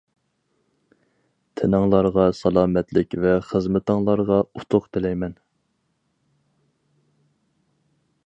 تىنىڭلارغا سالامەتلىك ۋە خىزمىتىڭلارغا ئۇتۇق تىلەيمەن.